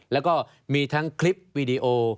แล้วก็มีทั้งคลิปวีดีโอ